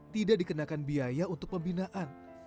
tidak dikenakan biaya untuk pembinaan